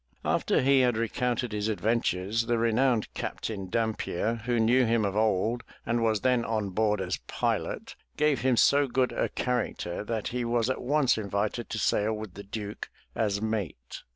After he had recounted his adventures the renowned Captain Dampier who knew him of old and was then on board as pilot, gave him so good a character that he was at once invited to sail with the Duke as mate.